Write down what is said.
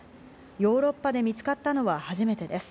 ヨーロッパで見つかったのは初めてです。